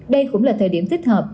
đây cũng là thời điểm thích hợp